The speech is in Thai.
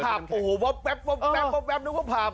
โอ้โหแป๊บนึกว่าผัพ